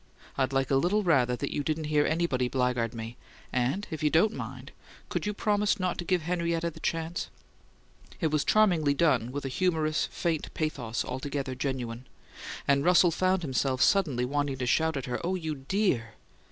I'd a little rather you didn't hear anybody blackguard me, and, if you don't mind could you promise not to give Henrietta the chance?" It was charmingly done, with a humorous, faint pathos altogether genuine; and Russell found himself suddenly wanting to shout at her, "Oh, you DEAR!"